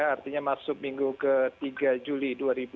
artinya masuk minggu ke tiga juli dua ribu dua puluh